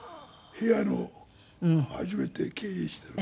部屋の初めて経営したの。